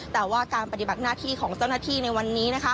แต่ว่าการปฏิบัติหน้าที่ของเจ้าหน้าที่ในวันนี้